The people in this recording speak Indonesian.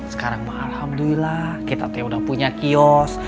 sekarang alhamdulillah kita teh udah punya kios